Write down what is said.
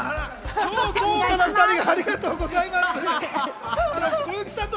超豪華な２人がありがとうございます。